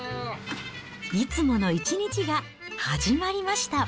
いつもの一日が始まりました。